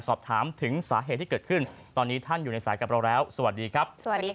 สอบถามถึงสาเหตุที่เกิดขึ้นตอนนี้ท่านอยู่ในสายกับเราแล้วสวัสดีครับสวัสดีค่ะ